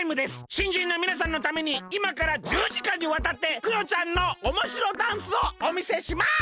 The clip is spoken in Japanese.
しんじんのみなさんのためにいまから１０時間にわたってクヨちゃんのおもしろダンスをおみせします！